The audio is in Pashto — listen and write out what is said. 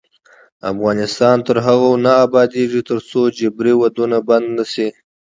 افغانستان تر هغو نه ابادیږي، ترڅو جبري ودونه بند نشي.